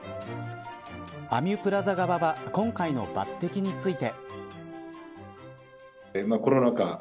アミュプラザ側は今回の抜てきについて。